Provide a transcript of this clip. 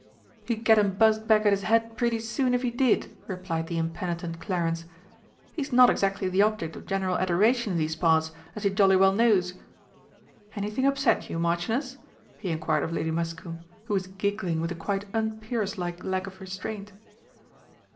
"He'd get 'em buzzed back at his head pretty soon, if he did!" replied the impenitent Clarence. "He's not exactly the object of general adoration in these parts, as he jolly well knows.... Anything upset you, Marchioness?" he inquired of Lady Muscombe, who was giggling with a quite un peeress like lack of restraint.